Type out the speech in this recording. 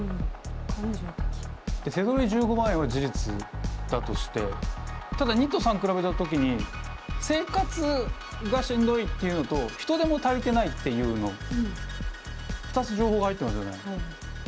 「手取り１５万円」は事実だとしてただ②と③比べた時に生活がしんどいっていうのと人手も足りてないっていうの２つ情報が入ってますよね。